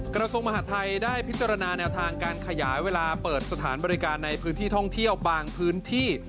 กระทรวงมหาดไทยได้พิจารณาแนวทางการขยายเวลาเปิดสถานบริการในพื้นที่ท่องเที่ยวบางพื้นที่